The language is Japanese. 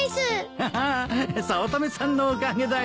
ハハッ早乙女さんのおかげだよ。